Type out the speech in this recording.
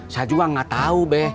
saya juga nggak tahu beh